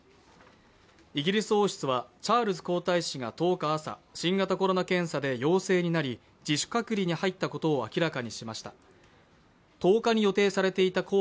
イギリス王室は、チャールズ皇太子が１０日朝新型コロナ検査で陽性になり、自主隔離に入ったことを明らかにしました。